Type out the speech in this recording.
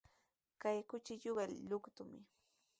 Kay kuchilluqa luqtumi.